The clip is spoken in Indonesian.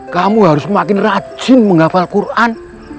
kamu harus semakin rajin menghafal quran